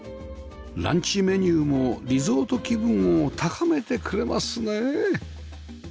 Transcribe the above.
ランチメニューもリゾート気分を高めてくれますね